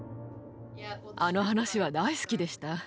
あの話は大好きでした。